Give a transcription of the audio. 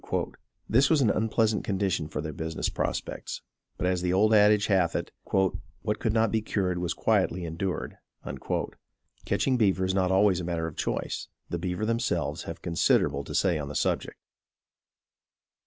This was an unpleasant condition for their business prospects; but, as the old adage hath it, "what could not be cured was quietly endured." Catching beaver is not always a matter of choice. The beaver themselves have considerable to say on the subject.